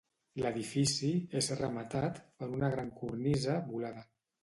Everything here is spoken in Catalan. L'edifici és rematat per una gran cornisa volada.